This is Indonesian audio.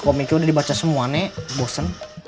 komiknya udah dibaca semua nih bosen